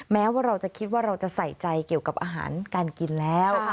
แม้ว่าเราจะคิดว่าเราจะใส่ใจเกี่ยวกับอาหารการกินแล้ว